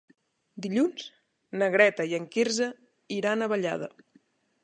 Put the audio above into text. Dilluns na Greta i en Quirze iran a Vallada.